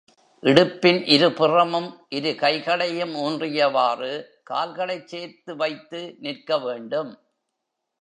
இடுப்பின் இரு புறமும் இரு கைகளையும் ஊன்றியவாறு, கால்களைச் சேர்த்து வைத்து நிற்க வேண்டும்.